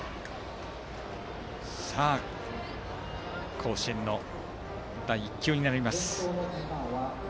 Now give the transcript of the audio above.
甲子園の第１球になります、安齋。